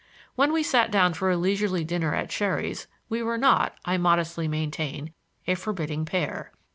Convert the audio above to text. When we sat down for a leisurely dinner at Sherry's we were not, I modestly maintain, a forbidding pair.